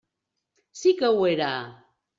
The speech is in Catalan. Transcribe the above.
Sí que ho era.